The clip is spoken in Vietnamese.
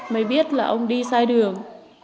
mới biết là ông đi sai đường